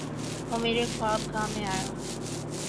وہ میرے خواب گاہ میں آیا